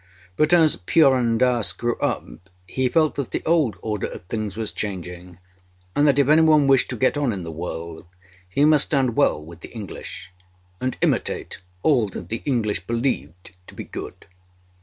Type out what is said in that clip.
But as Purun Dass grew up he felt that the old order of things was changing, and that if any one wished to get on in the world he must stand well with the English, and imitate all that the English believed to be good.